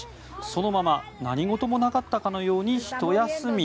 そのまま何事もなかったかのようにひと休み。